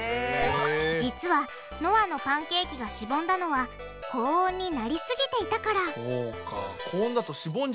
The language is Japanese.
実はのあのパンケーキがしぼんだのは高温になりすぎていたからそうか高温だとしぼんじゃうんだ。